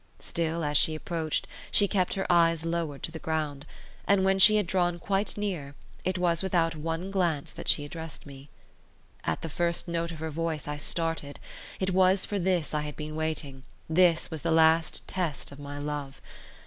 Still, as she approached, she kept her eyes lowered to the ground; and when she had drawn quite near, it was without one glance that she addressed me. At the first note of her voice I started. It was for this I had been waiting; this was the last test of my love.